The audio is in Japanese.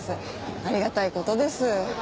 ありがたい事です。